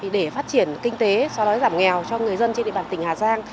để phát triển kinh tế so với giảm nghèo cho người dân trên địa bàn tỉnh hà giang